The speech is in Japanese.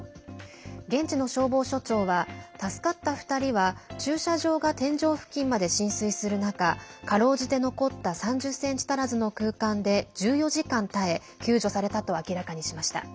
現地の消防署長は助かった２人は駐車場が天井付近まで浸水する中かろうじて残った３０ｃｍ足らずの空間で１４時間耐え救助されたと明らかにしました。